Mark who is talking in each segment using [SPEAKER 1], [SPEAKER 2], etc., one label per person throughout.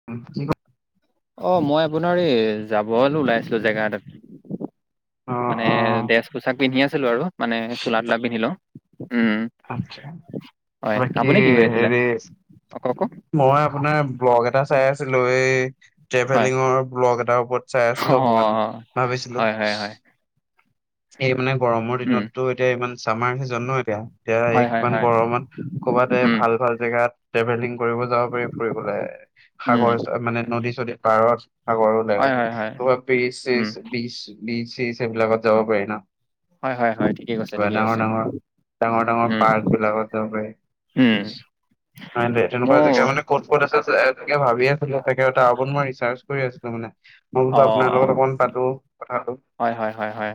[SPEAKER 1] [unintelligible]
[SPEAKER 2] অ' মই আপোনাৰ এই যাবলৈ ওলাই আছিলো জেগা এটাত।
[SPEAKER 1] অ
[SPEAKER 2] মানে
[SPEAKER 1] অ
[SPEAKER 2] ড্ৰেছ পোছাক পিন্ধি আছিলো আৰু মানে চোলা তোলা পিন্ধি লওঁ, উম।
[SPEAKER 1] আচ্ছা,
[SPEAKER 2] হয়
[SPEAKER 1] বাকী
[SPEAKER 2] আপুনি কি কৰি আছিলে
[SPEAKER 1] হেৰি।
[SPEAKER 2] অক ক
[SPEAKER 1] মই আপোনাৰ ব্লগ এটা চাই আছিলো এই
[SPEAKER 2] হয়
[SPEAKER 1] ট্ৰেভেলিঙৰ ব্লগ এটাৰ ওপৰত চাই
[SPEAKER 2] অ
[SPEAKER 1] আছিলো অকমান ভাবিছিলোঁ
[SPEAKER 2] হয় হয় হয়
[SPEAKER 1] এই মানে গৰমৰ
[SPEAKER 2] উম
[SPEAKER 1] দিনততো এতিয়া ইমান চামাৰ ভেকেচন ন' এতিয়া
[SPEAKER 2] হয় হয়
[SPEAKER 1] এইখন
[SPEAKER 2] হয়
[SPEAKER 1] গৰমত কৰ'বাত এ
[SPEAKER 2] উম
[SPEAKER 1] ভাল ভাল জেগাত ট্ৰেভেলিং কৰিব যাব পাৰি ফুৰিবলে।
[SPEAKER 2] উম
[SPEAKER 1] সাগৰে মানে নদী চদী। পাৰত সাগৰো নাই
[SPEAKER 2] হয়
[SPEAKER 1] মানে
[SPEAKER 2] হয় হয়
[SPEAKER 1] ক'ৰবাত বিছ
[SPEAKER 2] উম
[SPEAKER 1] চিচ ব্ৰিছ চিচ সেইবিলাকত যাব পাৰে ন'।
[SPEAKER 2] হয় হয় হয় ঠিকে কৈছে
[SPEAKER 1] হয়
[SPEAKER 2] ঠিকে
[SPEAKER 1] ডাঙৰ
[SPEAKER 2] কৈছে
[SPEAKER 1] ডাঙৰ, ডাঙৰ ডাঙৰ
[SPEAKER 2] উম
[SPEAKER 1] পাৰ্ক বিলাকত যাব পাৰি।
[SPEAKER 2] উম।
[SPEAKER 1] [unintelligible] তেনেকুৱা
[SPEAKER 2] মোৰ
[SPEAKER 1] জেগা মানে ক'ত ক'ত আছে ভাবি আছিলো তাকে তাৰ ওপৰত মই ৰিচাৰ্জ কৰি আছিলো মানে। মই‌‌
[SPEAKER 2] অ
[SPEAKER 1] বোলোঁ আপোনাৰ লগত অকণ পাতো কথাটো।
[SPEAKER 2] হয় হয় হয় হয়।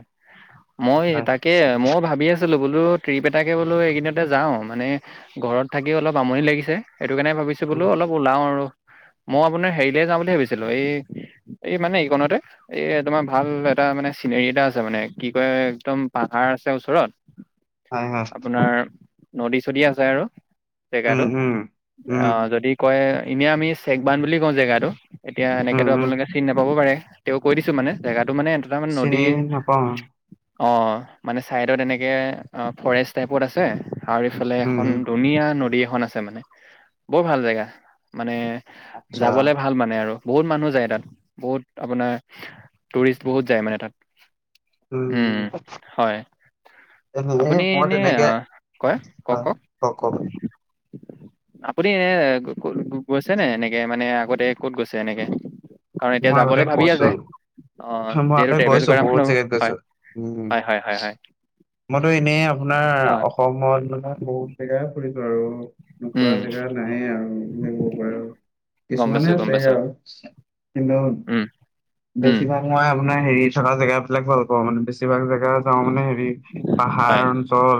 [SPEAKER 2] মই
[SPEAKER 1] হয়
[SPEAKER 2] তাকে ময়ো ভাবি আছিলো বোলো ট্ৰিপ এটাকে বোলো এইকেইদিনতে যাওঁ মানে ঘৰত থাকি অলপ আমনি লাগিছে সেইটো কাৰণে ভাবিছো বোলো
[SPEAKER 1] উম
[SPEAKER 2] অলপ ওলাওঁ আৰু। মই আপোনাৰ হেৰিলে যাওঁ বুলি ভাবিছিলো এই এই মানে এইকণতে এ তোমাৰ ভাল এটা মানে চিনাৰি এটা আছে মানে কি কয়। একদম পাহাৰ আছে ওচৰত,
[SPEAKER 1] হয় হয়
[SPEAKER 2] আপোনাৰ নদী চদী আছে আৰু।
[SPEAKER 1] উম
[SPEAKER 2] জেগাটো,
[SPEAKER 1] উম। উম
[SPEAKER 2] অ' যদি কয় এনে আমি চেকবান বুলি কওঁ জেগাটো এতিয়া
[SPEAKER 1] উম
[SPEAKER 2] এনেকেতো
[SPEAKER 1] উম
[SPEAKER 2] আপোনালোকে চিনি নাপাব পাৰে। তেওঁ কৈ দিছে মানে জেগাটো মানে
[SPEAKER 1] চিনি নাপাওঁ।
[SPEAKER 2] অ মানে চাইডত এনেকে ফৰেষ্ট টাইপত আছে আৰু ইফালে
[SPEAKER 1] উম
[SPEAKER 2] এখন
[SPEAKER 1] উম
[SPEAKER 2] ধুনীয়া নদী এখন আছে মানে, বৰ ভাল জেগা। মানে,
[SPEAKER 1] আচ্ছা।
[SPEAKER 2] যাবলে ভাল মানে আৰু। বহুত মানুহ যায় তাত বহুত আপোনাৰ, টুৰিষ্ট বহুত যায় মানে তাত।
[SPEAKER 1] উম।
[SPEAKER 2] হয় আপুনি
[SPEAKER 1] [unintelligible] মই
[SPEAKER 2] এনে
[SPEAKER 1] তেনেকে
[SPEAKER 2] আহ, কয়
[SPEAKER 1] অ
[SPEAKER 2] কওক কওক
[SPEAKER 1] কওঁক কওঁক।
[SPEAKER 2] আপুনি এ গৈছে নে এনেকে মানে আগতে ক'ত গৈছে এনেকে? কাৰণ এতিয়া
[SPEAKER 1] মই আগতে
[SPEAKER 2] যাবলৈ ভাবি
[SPEAKER 1] কৈছো
[SPEAKER 2] আছে, অ যিহেতু ট্ৰেভেল কৰা মানুহ।
[SPEAKER 1] উ
[SPEAKER 2] হয়-হয়-হয়।
[SPEAKER 1] মইতো এনেই আপোনাৰ অসমত মানে বহুত জেগাই ফুৰিছো আৰু। নুফুৰা
[SPEAKER 2] উম
[SPEAKER 1] জেগা নায়েই আৰু এনে পৰা আৰু
[SPEAKER 2] গম পাইছো
[SPEAKER 1] কিছুমানে
[SPEAKER 2] গম
[SPEAKER 1] আছে
[SPEAKER 2] পাইছো
[SPEAKER 1] আৰু। কিন্তু
[SPEAKER 2] উম উম
[SPEAKER 1] বেছিভাগ মই আপোনাৰ হেৰি থকা জেগা বিলাক ভাল পাওঁ মানে বেছিভাগ জেগা যাওঁ মানে হেৰি
[SPEAKER 2] হয়
[SPEAKER 1] পাহাৰ অঞ্চল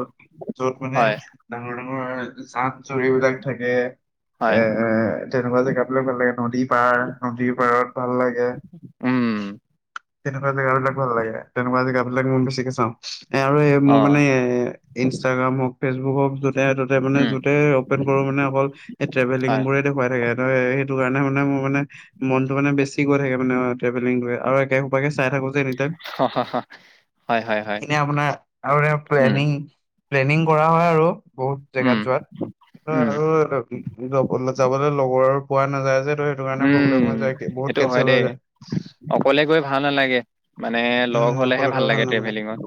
[SPEAKER 1] য'ত মানে
[SPEAKER 2] হয়
[SPEAKER 1] ডাঙৰ ডাঙৰ জান-জুৰি বিলাক থাকে
[SPEAKER 2] হয়
[SPEAKER 1] এ তেনেকুৱা জেগাবিলাক ভাল লাগে, নদীৰ পাৰ, নদীৰ পাৰত ভাল লাগে,
[SPEAKER 2] উম
[SPEAKER 1] তেনেকুৱা জেগাবিলাক ভাল লাগে, তেনেকুৱা জেগাবিলাক মই বেছিকে চাওঁ। এ আৰু এই
[SPEAKER 2] অ
[SPEAKER 1] মোৰ মানে ইনষ্টাগ্ৰাম হওঁক ফেচবুক হওঁক য'ত যতে-ততে মানে
[SPEAKER 2] উম
[SPEAKER 1] য'তেই অপেন কৰো মানে অকল এই ট্ৰেভেলিং
[SPEAKER 2] হয়
[SPEAKER 1] বোৰে দেখুৱাই থাকে। হয় সেইটো কাৰণে মানে মোৰ মানে মনতো মানে বেছি গৈ থাকে মানে ট্ৰেভেলিং লৈ আৰু একে সোপাকে চাই থাকো যে এনি টাইম
[SPEAKER 2] হা-হা-হা হয়-হয়-হয়।
[SPEAKER 1] এনে আপোনাৰ আগতে প্লেনিং প্লেনিং কৰা হয় আৰু বহুত
[SPEAKER 2] উম
[SPEAKER 1] জেগাত যোৱাত। কিন্ত
[SPEAKER 2] উম
[SPEAKER 1] আৰু যাবলে লগৰ পোৱা নাযায় যে সেইটো কাৰণে প্ৰব্লেম
[SPEAKER 2] উম
[SPEAKER 1] হৈ যায়,
[SPEAKER 2] সেইটো
[SPEAKER 1] বহুত
[SPEAKER 2] হয়
[SPEAKER 1] কেনচেল
[SPEAKER 2] দেই
[SPEAKER 1] হৈ যায়।
[SPEAKER 2] অকলে গৈ ভাল নালাগে। মানে লগ
[SPEAKER 1] উম
[SPEAKER 2] হ'লেহে
[SPEAKER 1] অকলে
[SPEAKER 2] ভাল
[SPEAKER 1] অকলে
[SPEAKER 2] লাগে
[SPEAKER 1] নালাগে
[SPEAKER 2] ট্ৰেভেলিঙত।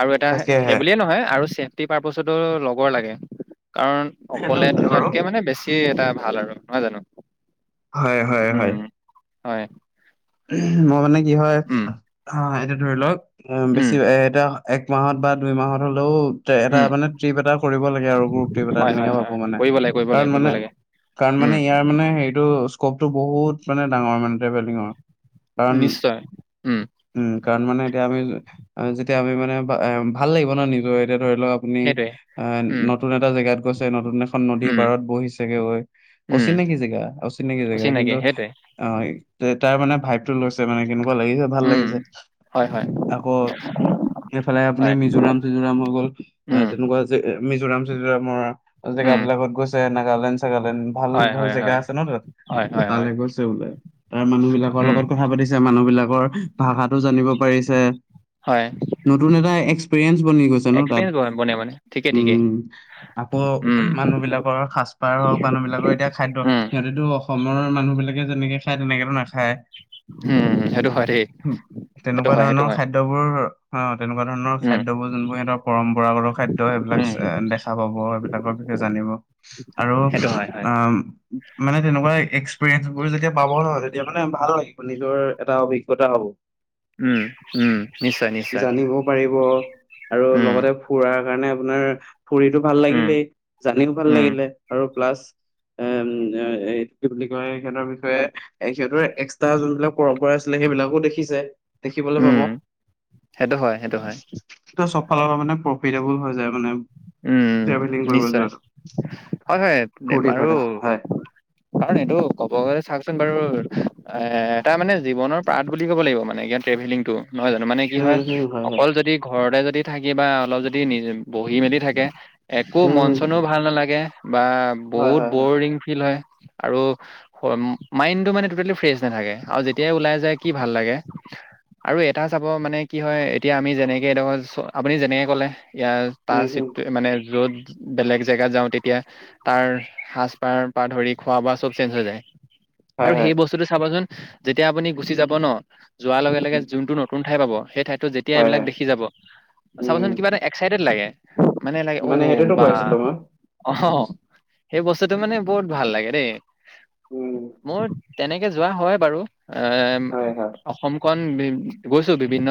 [SPEAKER 2] আৰু এটা সেই
[SPEAKER 1] তাকেহে
[SPEAKER 2] বুলিয়ে নহয় আৰু চে তি পাৰ্পচতো লগৰ লাগে কাৰণ
[SPEAKER 1] সেইটো
[SPEAKER 2] অকলে
[SPEAKER 1] হয় বাৰু
[SPEAKER 2] যোৱাতকে মানে বেছি সি এটা ভাল আৰু নহয় জানো?
[SPEAKER 1] হয়-হয়-হয়।
[SPEAKER 2] উম, হয়।
[SPEAKER 1] মই মানে কি হয়
[SPEAKER 2] উম
[SPEAKER 1] অ এতিয়া ধৰি লওক
[SPEAKER 2] উম
[SPEAKER 1] বেছি এটা এক মাহত বা দুই মাহত হ'লেও এটা
[SPEAKER 2] উম
[SPEAKER 1] মানে ট্ৰিপ এটা কৰিব লাগে আৰু গ্ৰোপ ট্ৰিপ এটা
[SPEAKER 2] হয় হয়
[SPEAKER 1] তেনেকে
[SPEAKER 2] হয়
[SPEAKER 1] পাবো মানে।
[SPEAKER 2] কৰিব লাগে কৰিব লাগে
[SPEAKER 1] কাৰণ
[SPEAKER 2] কৰিব
[SPEAKER 1] মানে
[SPEAKER 2] লাগে
[SPEAKER 1] কাৰণ
[SPEAKER 2] উম
[SPEAKER 1] মানে ইয়াৰ মানে হেৰিটো স্কপটো বহুত মানে ডাঙৰ মানে ট্ৰেভেলিঙৰ। কাৰণ
[SPEAKER 2] নিশ্চয় উম।
[SPEAKER 1] উম কাৰণ মানে এতিয়া আমি যেতিয়া আমি মানে এ ভাল লাগিব ন নিজৰ এতিয়া ধৰি লও আপুনি
[SPEAKER 2] সেইটোৱে
[SPEAKER 1] এ
[SPEAKER 2] উম
[SPEAKER 1] নতুন এটা জেগাত গৈছে, নতুন এখন নদীৰ
[SPEAKER 2] উম
[SPEAKER 1] পাৰত বহিছেগে গৈ,
[SPEAKER 2] উম
[SPEAKER 1] অচিনাকি জেগা, অচিনাকি জেগা, কিন্তু অ তাৰ মানে ভাইৱটো লৈছে মানে কেনেকুৱা লাগিছে ভাল
[SPEAKER 2] উম
[SPEAKER 1] লাগিছে।
[SPEAKER 2] হয় হয়
[SPEAKER 1] আকৌ এইফালে আপুনি
[SPEAKER 2] হয়
[SPEAKER 1] মিজোৰাম-চিজোৰাম হৈ গ'ল অ
[SPEAKER 2] উম
[SPEAKER 1] তেনেকুৱা মিজোৰাম-চিজুৰামৰ জেগা
[SPEAKER 2] উম
[SPEAKER 1] বিলাকত গৈছে, নাগালেণ্ড চাগালেন্ড ভাল
[SPEAKER 2] হয়
[SPEAKER 1] ভাল
[SPEAKER 2] হয়
[SPEAKER 1] জেগা
[SPEAKER 2] হয়
[SPEAKER 1] আছে ন তাত,
[SPEAKER 2] হয় হয় হয়
[SPEAKER 1] তালৈ গৈছে বোলে তাৰ মানুহ বিলাকৰ
[SPEAKER 2] উম
[SPEAKER 1] লগত কথা সুধিছে মানুহবিলাকৰ ভাষাতো জানিব পাৰিছে।
[SPEAKER 2] হয়।
[SPEAKER 1] নতুন এটা এক্সপিৰিয়েঞ্চ বনি গৈছে ন
[SPEAKER 2] এক্সপিৰিয়েঞ্চ বন- বনে
[SPEAKER 1] তাত।
[SPEAKER 2] মানে ঠিকে ঠিকে
[SPEAKER 1] উম আকৌ
[SPEAKER 2] উম
[SPEAKER 1] উহ মানুহবিলাকৰ সাচ পাৰ হওক মানুহবিলাকৰ এতিয়া খাদ্য
[SPEAKER 2] উম
[SPEAKER 1] সিহঁতেতো অসমৰ মানুহবিলাকে যেনেকে খায় তেনেকেতো নাখায়।
[SPEAKER 2] হুম হু সেইটো হয় দেই সেইটো
[SPEAKER 1] তেনেকুৱা
[SPEAKER 2] হয় সেইটো
[SPEAKER 1] ধৰণৰ
[SPEAKER 2] হয়
[SPEAKER 1] খাদ্যবোৰ অ তেনেকুৱা ধৰণৰ
[SPEAKER 2] উম
[SPEAKER 1] খাদ্যবোৰ যোনবোৰ সিহঁতৰ পৰম্পৰাগত খাদ্য সেইবিলাক
[SPEAKER 2] উম
[SPEAKER 1] চে দেখা পাব সেইবিলাকৰ তে জানিব আৰু
[SPEAKER 2] সেইটো হয় হয়
[SPEAKER 1] আম উম মানে তেনেকুৱা এ এক্সপিৰিয়েঞ্চবোৰ যেতিয়া পাব নহয় তেতিয়া মানে ভাল লাগি নিজৰ এটা অভিজ্ঞতা হ'ব।
[SPEAKER 2] উম, উম, নিশ্চয়, নিশ্চয়।
[SPEAKER 1] জানিব পাৰিব আৰু
[SPEAKER 2] উম,
[SPEAKER 1] লগতে ফুৰাৰ কাৰণে আপোনাৰ ফুৰিতো ভাল
[SPEAKER 2] উম,
[SPEAKER 1] লাগিলেই, জানিও ভাল
[SPEAKER 2] উম,
[SPEAKER 1] লাগিলে আৰু প্লাছ এম এ এই কি বুলি কয় এখেতৰ বিষয়ে এখেতৰ এক্স তাৰ যোনবিলাক পৰম্পৰা আছিলে সেইবিলাকো দেখিছে। দেখিবলৈ পাব।
[SPEAKER 2] উম, সেইটো হয়, সেইটো হয়।
[SPEAKER 1] ত' চবফালৰ পৰা মানে প্ৰফিটেবোল হৈ যায় মানে।
[SPEAKER 2] উম
[SPEAKER 1] ট্ৰেভেলিং কৰিব
[SPEAKER 2] নিশ্চয়,
[SPEAKER 1] যোৱাটো
[SPEAKER 2] হয় হয় দেম
[SPEAKER 1] ফূৰ্তি
[SPEAKER 2] আৰু
[SPEAKER 1] ফাৰ্তা হয়।
[SPEAKER 2] কাৰণ এইটো ক'ব গ'লে চাওকচোন বাৰু, এ এটা মানে জীৱনৰ পাঠ বুলি ক'ব লাগিব মানে ইয়াত টেভেলিংটো। নহয় জানো, মানে কি
[SPEAKER 1] উম,
[SPEAKER 2] হয়
[SPEAKER 1] হুম, হয়,
[SPEAKER 2] অকল যদি ঘৰতে যদি থাকিবা অলপ যদি নি বহি মেলি থাক কে, একো
[SPEAKER 1] উম,
[SPEAKER 2] মন -
[SPEAKER 1] হুম,
[SPEAKER 2] চনো ভাল নালাগে বা
[SPEAKER 1] হয়,
[SPEAKER 2] বহুত
[SPEAKER 1] হয়, হয়,
[SPEAKER 2] বৰিং ফিল হয়। আৰু হ মাইণ্ডটো মানে টটেলি ফ্ৰেছ নাথাকে আৰু যেতিয়াই ওলাই যায় কি ভাল লাগে। আৰু এটা চাব মানে কি হয় এতিয়া আমি যেনেকে এডোখৰ চ আপুনি যেনেকে ক'লে ইয়াৰ তাৰ
[SPEAKER 1] উম, হুম,
[SPEAKER 2] চিটটো মানে য'ত বেলেগ জেগাত যাওঁ তেতিয়া তাৰ সাজ - পাৰ পৰা ধৰি খোৱা - বোৱা চব চেঞ্জ হৈ যায়।
[SPEAKER 1] হয়,
[SPEAKER 2] আৰু
[SPEAKER 1] হয়,
[SPEAKER 2] সেই বস্তুটো চাবাচোন যেতিয়া আপুনি গুচি যাব ন, যোৱাৰ লগে - লগে
[SPEAKER 1] উম,
[SPEAKER 2] যোনটো নতুন ঠাই পাব সেই ঠাইতো যেতিয়া
[SPEAKER 1] হয়,
[SPEAKER 2] এইবিলাক
[SPEAKER 1] হয়,
[SPEAKER 2] দেখি যাব, চাবচোন
[SPEAKER 1] উম,
[SPEAKER 2] কিবা এটা এক্সাইটেড লাগে। মানে লাগে ঔ
[SPEAKER 1] সেইটোতো
[SPEAKER 2] বা।
[SPEAKER 1] কৈ আছিলোঁ মই,
[SPEAKER 2] অ হ হ', সেই বস্তুটো মানে বহুত ভাল লাগে দেই।
[SPEAKER 1] উম,
[SPEAKER 2] মোৰ তেনেকে যোৱা হয় বাৰু, এম
[SPEAKER 1] হয়, হয়।
[SPEAKER 2] অসম খন বিভ গৈছো, বিভিন্ন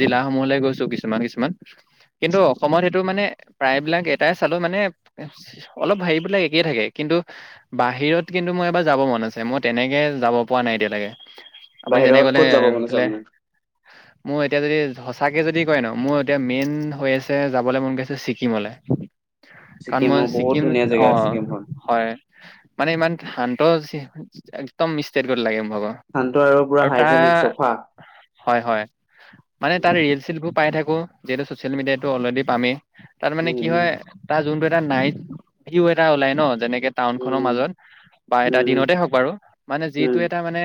[SPEAKER 2] জিলাসমূহলে গৈছো কিছুমান কিছুমান। কিন্তু
[SPEAKER 1] উম।
[SPEAKER 2] অসমত সেইটো মানে প্ৰায়বিলাক এটাই চালো মানে অলপ হেৰিবিলাক একেই থাকে কিন্তু বাহিৰত কিন্তু মই এবাৰ যাব মন আছে, মই তেনেকে যাব পৰা নাই এতিয়ালৈকে। আপুনি যেনেকে
[SPEAKER 1] বাহিৰত
[SPEAKER 2] ক'লে
[SPEAKER 1] ক'ত যাব মন আছে
[SPEAKER 2] এফালে
[SPEAKER 1] আপোনাৰ?
[SPEAKER 2] মোৰ এতিয়া যদি সচাকে যদি কয় ন, মোৰ এতিয়া মেইন হৈ আছে যাবলৈ মন গৈছে ছিকিমলে কাৰণ মই
[SPEAKER 1] ছিকিমৰ বহুত
[SPEAKER 2] ছিকিম
[SPEAKER 1] ধুনীয়া জেগা ছিকিমখন,
[SPEAKER 2] অহ' হয় মানে ইমান শান্ত চি একদম ষ্টেট গত লাগে মোৰভাগৰ।
[SPEAKER 1] শান্ত আৰু পুৰা হাইজেনিক চফা।
[SPEAKER 2] হয়, হয় মানে তাত
[SPEAKER 1] উম,
[SPEAKER 2] ৰিল - চীলবোৰ পাই থাকো, যিহেতু ছচিয়েল মিডিয়াতো অলৰেডি পামেই। তাত মানে কি
[SPEAKER 1] উম,
[SPEAKER 2] হয়, তাৰ যোনটো এটা নাইট ভিও এটা ওলাই ন যেনেকে টাউনখনৰ
[SPEAKER 1] উম,
[SPEAKER 2] মাজত বা এটা
[SPEAKER 1] উম, উম,
[SPEAKER 2] দিনতে হওক বাৰু মানে যিটো
[SPEAKER 1] উম,
[SPEAKER 2] এটা মা নে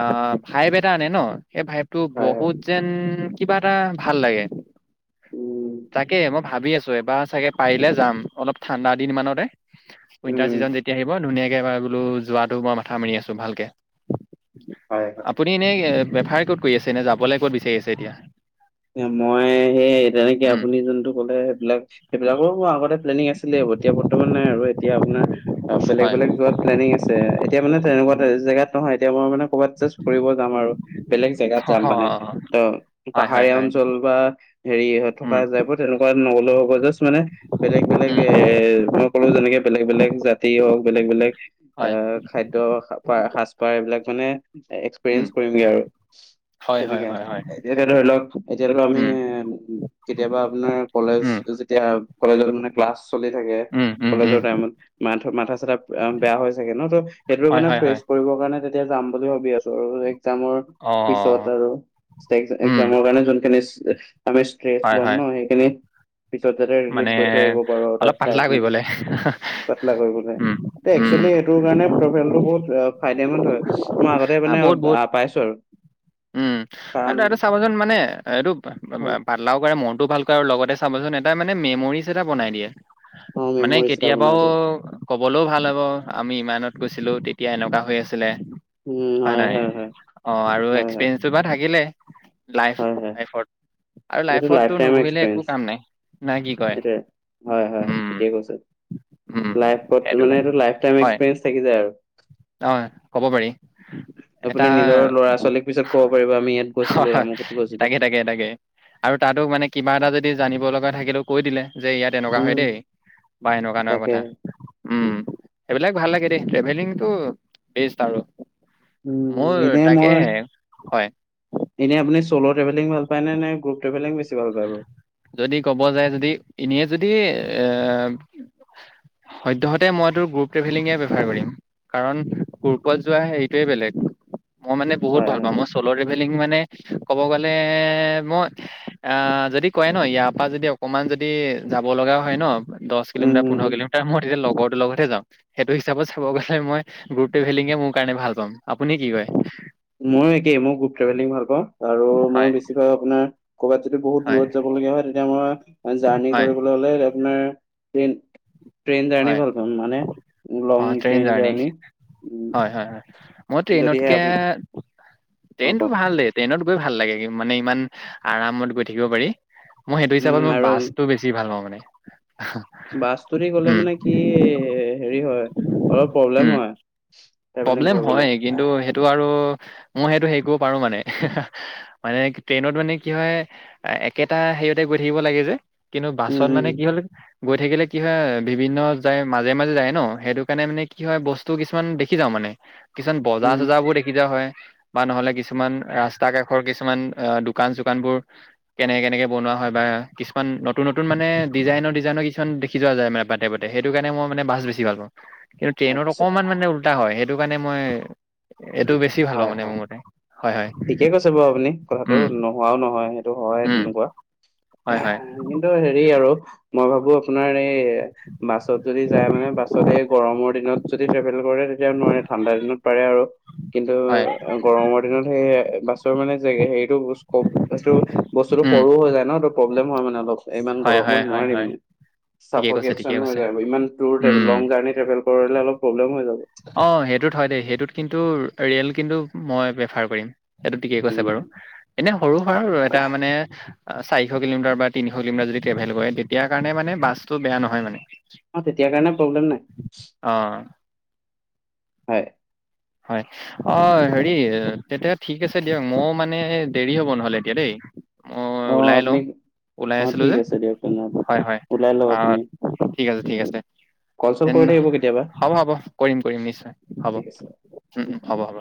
[SPEAKER 2] অ', ভাইব এটা আনে ন, সেই ভাইবটো
[SPEAKER 1] হয়, হয়,
[SPEAKER 2] বহুত যেন কিবা এটা ভাল লাগে।
[SPEAKER 1] উম,
[SPEAKER 2] তাকে মই ভাবি আছো, এবাৰ চাগে পাৰিলে যাম, অলপ ঠাণ্ডা দিন মানতে উইন্টাৰ
[SPEAKER 1] উম,
[SPEAKER 2] চিজন যেতিয়া আহিব ধুনীয়াকে বোলো যোৱাত [unintelligible] মাথা মাৰি আছো ভালকে।
[SPEAKER 1] হয়।
[SPEAKER 2] আপুনি এনেই বেফাৰে ক'ত কৰি আছে? এনে যাবলৈ ক'ত বিচাৰি আছে এতিয়া?
[SPEAKER 1] মই সেই তেনেকে
[SPEAKER 2] উম
[SPEAKER 1] আপুনি যোনটো ক'লে সেইবিলাক সেইবিলাকৰো মোৰ আগতে প্লেনিং আছিলেই, এতিয়া বৰ্তমান নাই আৰু, এতিয়া আপোনাৰ বেলেগ
[SPEAKER 2] হয়
[SPEAKER 1] বেলেগ যোৱাত প্লেনিং আছে, এতিয়া মানে তেনেকুৱা জেগাত নহয়, এতিয়া মই মানে ক'বাত জাষ্ট ফুৰিব যাম আৰু, বেলেগ জেগাত যাম মানে ত' হাৰীয়া অঞ্চল বা হেৰি থকা তাইপৰ তেনেকুৱা নগলেও হ'ব জাষ্ট মানে বেলেগ বেলেগ এ মই ক'লো যেনেকে বেলেগ বেলেগ জাতি হওক, বেলেগ বেলেগ আহ', খাদ্য সাজপাৰ এইবিলাক মানে এক্সপেৰিয়েন্চ কৰিমগে আৰু, তেনেকে এতিয়া ধৰি লওক এতিয়া ধৰি লওক আপুনি কেতিয়াবা আপোনাৰ কলেজ যেতিয়া কলেজত মানে ক্লাছ চলি থাকে। কলেজৰ টাইমত মা মাথা চাথা বেয়া হৈ চাগে ন, ত' সেইটো মানে ফ্ৰেচ কৰিবৰ কাৰণে যাম বুলি ভাবি আছো আৰু, একজামৰ পিছত আৰু। মোৰ কাৰণে যোনখিনি আমি ষ্ট্ৰেচ লম
[SPEAKER 2] হয়।
[SPEAKER 1] ন সেইখিনি পিছত যাতে ৰিলিফ
[SPEAKER 2] মানে
[SPEAKER 1] কৰি থৈ আহিব পাৰু আৰু, তাত
[SPEAKER 2] অলপ
[SPEAKER 1] চাই
[SPEAKER 2] পাতলা
[SPEAKER 1] মেলি
[SPEAKER 2] কৰিবলে।
[SPEAKER 1] পাতলা কৰিবলে।
[SPEAKER 2] উম।
[SPEAKER 1] ত'
[SPEAKER 2] উম।
[SPEAKER 1] একচুৱেলি সেইটোৰ কাৰণে ট্ৰেভেলটো বহুত ফাইদেমন হয়। মই আগতে মানে
[SPEAKER 2] আ', বহুত বহুত
[SPEAKER 1] আহ, পাইছো আৰু
[SPEAKER 2] উম', আৰু ত' এইটো
[SPEAKER 1] কাৰণ
[SPEAKER 2] চাবা চোন মানে এইটো পাতলাও কৰে মনটোও ভাল কৰে আৰু লগতে চাবচোন এটা মানে মেমৰিজ এটা বনাই দিয়ে
[SPEAKER 1] অ
[SPEAKER 2] মানে
[SPEAKER 1] মেমৰিজ এটা বনাই
[SPEAKER 2] কেতিয়াবাও
[SPEAKER 1] দিয়ে
[SPEAKER 2] কবলৈও ভাল হ'ব আমি ইমানত গৈছিলো তেতিয়া এনেকুৱা হৈ আছিলে হয় নাই অ আৰু
[SPEAKER 1] হয় হয়
[SPEAKER 2] এক্সপিৰিয়েঞ্চটো বা থাকিলে লাইফ
[SPEAKER 1] হয় হয়
[SPEAKER 2] লাইফত আৰু
[SPEAKER 1] এইটো লাইফ
[SPEAKER 2] লাইফতো নুঘুৰিলে একো কাম নাই না কি কয়
[SPEAKER 1] এটোৱে হয় হয়
[SPEAKER 2] উম
[SPEAKER 1] ঠিকেই কৈছে
[SPEAKER 2] উম
[SPEAKER 1] লাইফত
[SPEAKER 2] সেইটো
[SPEAKER 1] মানে এইটো লাই টাইম এক্সপিৰিয়েঞ্চ থাকি যায় আৰু।
[SPEAKER 2] অহ', ক'ব পাৰি। এটা
[SPEAKER 1] আপুনি নিজৰ ল'ৰা ছোৱালীক পিছত ক'ব পাৰিব আমি ইয়াত
[SPEAKER 2] হয়
[SPEAKER 1] গৈছিলো
[SPEAKER 2] হয়,
[SPEAKER 1] আমুকত। গৈছিলো
[SPEAKER 2] তাকে, তাকে, তাকে, আৰু তাতো মানে কিবা এটা যদি জানিব লগা থাকিলেও কৈ দিলে, যে ইয়াত তেনেকুৱা হয়
[SPEAKER 1] উম
[SPEAKER 2] দেই, বা এনেকুৱা এনেকুৱা
[SPEAKER 1] তাকে
[SPEAKER 2] কথা, উম', সেইবিলাক ভাল লাগে দেই ট্ৰেভেলিং টো বেষ্ট আৰু মোৰ
[SPEAKER 1] উম এনে
[SPEAKER 2] তাকেই
[SPEAKER 1] মই
[SPEAKER 2] হয়
[SPEAKER 1] এনে আপুনি চ'ল' ট্ৰেভেলিং ভাল পায় নে নে গ্ৰুপ ট্ৰভেলিং বেছি ভাল পায় বাৰু
[SPEAKER 2] যদি ক'ব যায় যদি এনে যদি এ সদ্যহতে মইতো গ্ৰুপ ট্ৰেভেলিঙে প্ৰেফাৰ কৰিম কাৰণ গ্ৰূপত যোৱা হেৰিটোৱে বেলেগ মই মানে বহুত
[SPEAKER 1] হয়
[SPEAKER 2] ভাল
[SPEAKER 1] হয়
[SPEAKER 2] পাওঁ মই চ'ল' ট্ৰেভেলিং মানে ক'ব গলে মই আ যদি কয় ন ইয়াৰ পৰা যদি অকমান যদি যাব লগা হয় ন দহ
[SPEAKER 1] উম
[SPEAKER 2] কিলোমিটাৰ
[SPEAKER 1] উম
[SPEAKER 2] পোন্ধৰ
[SPEAKER 1] উম
[SPEAKER 2] কিলোমিটাৰ মই তেতিয়া লগৰটোৰ লগতহে যাও সেইটো হিচাপত চাব গ'লে মই গ্ৰুপ ট্ৰেভেলিঙে মোৰ কাৰণে ভাল পাম। আপুনি কি কয়
[SPEAKER 1] ময়ো একেই মই গ্ৰুপ ট্ৰেভেলিং ভাল পাওঁ আৰু মই
[SPEAKER 2] হয়,
[SPEAKER 1] বেছিভাগ আপোনাৰ। ক'ৰবাত যদি বহুত
[SPEAKER 2] হয়,
[SPEAKER 1] দূৰত যাব লগীয়া হয় তেতিয়া মই জাৰ্ণি
[SPEAKER 2] হয়,
[SPEAKER 1] কৰিবলৈ হ'লে আপোনাৰ ট্ৰেইন ট্ৰেইন জাৰ্ণি
[SPEAKER 2] হয়।
[SPEAKER 1] ভাল পাম মানে লং ট্ৰেইন জাৰ্ণি উ
[SPEAKER 2] হয় হয় হয় মই ট্ৰেইনতকে
[SPEAKER 1] অ
[SPEAKER 2] ট্ৰেইনটো
[SPEAKER 1] কওক
[SPEAKER 2] ভাল দে ট্ৰেইনত গৈ ভাল লাগে মানে ইমান আৰামত গৈ থাকিব পাৰি। মই সেইটো হিচাপত
[SPEAKER 1] উম
[SPEAKER 2] মই
[SPEAKER 1] আৰু
[SPEAKER 2] বাছটো বেছি ভাল পাওঁ মানে আ হা।
[SPEAKER 1] বাছটোদি গ'লে মানে কি হেৰি হয় অলপ প্ৰব্লেম
[SPEAKER 2] উম।
[SPEAKER 1] হয়। ট্ৰেভেলিং
[SPEAKER 2] প্ৰব্লেম
[SPEAKER 1] কৰিবলে
[SPEAKER 2] হয় কিন্তু হেই। টো আৰু মই হেইটো হেৰি কৰিব পাৰো মানে হে হে মানে ট্ৰেইনত মানে কি হয়। একেটা হেৰিয়তে গৈ থাকিব লাগে যে কিন্তু
[SPEAKER 1] উম
[SPEAKER 2] বাছত
[SPEAKER 1] উম
[SPEAKER 2] মানে কি হ'ল। গৈ থাকিলে কি হয় বিভিন্ন যায় মাজে মাজে যায় ন সেইটো কাৰণে মানে কি হয় বস্তু কিছুমান দেখি। দেখি যাওঁ মানে কিছুমান বজাৰ
[SPEAKER 1] উম
[SPEAKER 2] চজাৰ বোৰ দেখি যোৱা হয়। বা নহ'লে কিছুমান ৰাস্তা কাষৰ কিছুমান অ দোকান চোকানবোৰ। কেনেকে কেনেকে বনোৱা হয় বা কিছুমান নতুন নতুন মানে ডিজাইনৰ ডিজাইনৰ কিছুমান দে। দেখি যোৱা যায় মানে বাটে বাটে সেইটো কাৰণে মই মানে বাছ বেছি ভাল পাওঁ। কিন্তু ট্ৰেইনত
[SPEAKER 1] আচ্ছা
[SPEAKER 2] অকমান মানে উল্টা হয় সেইটো কাৰণে মই। এইটো বেছি ভাল পাওঁ
[SPEAKER 1] হয়
[SPEAKER 2] মানে
[SPEAKER 1] হয়
[SPEAKER 2] মোৰ মতে হয় হয়
[SPEAKER 1] ঠিকে কৈছে বাৰু আপুনি কথাটো
[SPEAKER 2] উম
[SPEAKER 1] ন। হোৱাও নহয় সেইটো হয়
[SPEAKER 2] উম
[SPEAKER 1] তেনেকুৱা আ
[SPEAKER 2] হয় হয়
[SPEAKER 1] হ কিন্তু হেৰি আৰু। মই ভাবো আপোনাৰ এই। বাছত যদি যায় মানে বাছত এই গৰমৰ দিনত যদি ট্ৰেভেল কৰে তেতিয়া নোৱাৰি ঠাণ্ডা দিনত পাৰে। আৰু কিন্তু
[SPEAKER 2] হয়
[SPEAKER 1] গৰমৰ দিনত সেই বাছৰ মানে জেগা হেৰি। এইটো এইটো বস্তুটো
[SPEAKER 2] উম
[SPEAKER 1] সৰু হৈ যায় ন টো প্ৰব্লেম হয় মানে অলপ। ইমান
[SPEAKER 2] হয় হয়
[SPEAKER 1] গৰমত
[SPEAKER 2] হয়
[SPEAKER 1] নোৱাৰি
[SPEAKER 2] হয়
[SPEAKER 1] মানে
[SPEAKER 2] ঠিকে কৈছে ঠিকে
[SPEAKER 1] চাফ'কেচন হৈ
[SPEAKER 2] কৈছে
[SPEAKER 1] যায় ইমান দুৰ
[SPEAKER 2] উম
[SPEAKER 1] লং জাৰ্ণি ট্ৰেভেল। কৰিলে অলপ প্ৰব্লেম হৈ যাব।
[SPEAKER 2] অ সেইটোত হয় দেই সেইটোত কিন্তু ৰেল কিন্তু মই প্ৰিফাৰ কৰিম। সেইটো ঠিকেই কৈছে
[SPEAKER 1] উম
[SPEAKER 2] বাৰু এনে সৰু সৰা এটা মানে। চাৰিশ কিলোমিটাৰ বা তিনিশ কিলোমিটাৰ যদি ট্ৰেভেল কৰে তেতিয়া কাৰনে মানে বাছটো বেয়া নহয় মানে।
[SPEAKER 1] অঁ তেতিয়া কাৰণে প্ৰব্লেম নাই।
[SPEAKER 2] অ।
[SPEAKER 1] হয়।
[SPEAKER 2] হয়। অ হেৰি তেতিয়া ঠিক আছে দিয়ক মই মানে দেৰি হ'ব নহ'লে এতিয়া দেই। মই
[SPEAKER 1] অ
[SPEAKER 2] ওলাই
[SPEAKER 1] আপুনি
[SPEAKER 2] লওঁ ওলাই
[SPEAKER 1] অ
[SPEAKER 2] আছিলো
[SPEAKER 1] ঠিক
[SPEAKER 2] যে
[SPEAKER 1] আছে দিয়ক তেনেহ'লে
[SPEAKER 2] হয় হয়।
[SPEAKER 1] ওলাই লওক আপুনি
[SPEAKER 2] ঠিক আছে ঠিক আছে
[SPEAKER 1] কল চল
[SPEAKER 2] তেন
[SPEAKER 1] কৰি থাকিব কেতিয়াবা
[SPEAKER 2] হ'ব হ'ব কৰিম কৰিম নিশ্চয় হ'ব।
[SPEAKER 1] ঠিক আছে
[SPEAKER 2] উম উম হ'ব হ'ব।